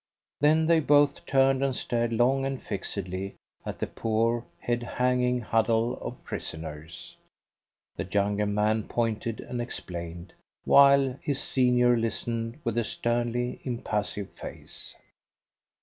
Then they both turned and stared long and fixedly at the poor, head hanging huddle of prisoners. The younger man pointed and explained, while his senior listened with a sternly impassive face.